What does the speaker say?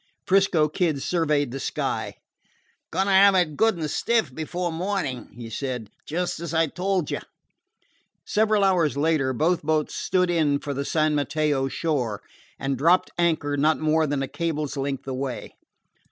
'Frisco Kid surveyed the sky. "Going to have it good and stiff before morning," he said, "just as I told you." Several hours later, both boats stood in for the San Mateo shore, and dropped anchor not more than a cable's length away.